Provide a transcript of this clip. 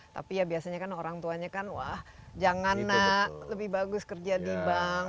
tapi ya biasanya kan orang tuanya kan wah jangan nak lebih bagus kerja di bank